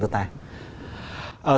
trong năm tới